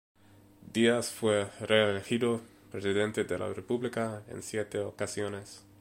Díaz fue reelegido presidente de la República en siete ocasiones.